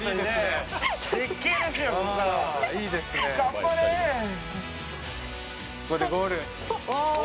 これでゴール。